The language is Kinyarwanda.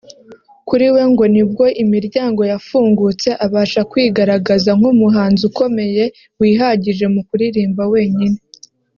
Kuri we ngo nibwo imiryango yafungutse abasha kwigaragaza nk’umuhanzi ukomeye wihagije mu kuririmba wenyine